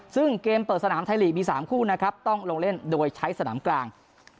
ซึ่งเกมเปิดสนามไทยลีกมี๓คู่นะครับต้องลงเล่นโดยใช้สนามกลาง